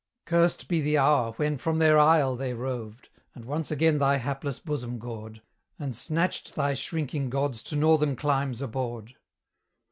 Curst be the hour when from their isle they roved, And once again thy hapless bosom gored, And snatched thy shrinking gods to northern climes abhorred!